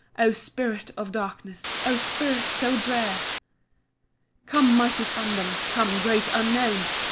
Oh spirit of darkness! oh spirit so drear! "Come, mighty phantom! come, great Unknown!